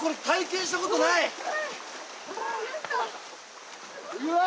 体験したことない。